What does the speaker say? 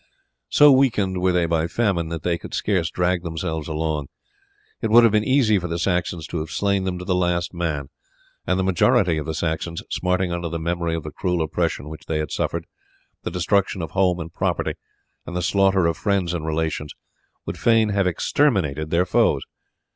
So weakened were they by famine that they could scarce drag themselves along. It would have been easy for the Saxons to have slain them to the last man; and the majority of the Saxons, smarting under the memory of the cruel oppression which they had suffered, the destruction of home and property, and the slaughter of friends and relations, would fain have exterminated their foes.